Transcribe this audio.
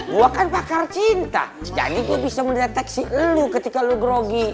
gue kan pakar cinta jadi gue bisa mendeteksi lu ketika lo grogi